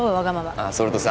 ☎ああそれとさ